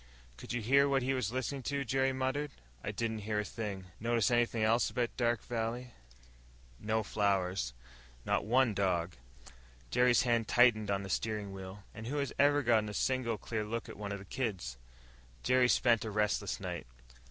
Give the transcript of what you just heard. "Could you hear what he was listening to?" Jerry muttered. "I didn't hear a thing." "Notice anything else about Dark Valley?" Watson shook his head. "No flowers. Not one dog." Jerry's hand tightened on the steering wheel. "And who has ever gotten a single, clear look at one of the kids?" Jerry spent a restless night.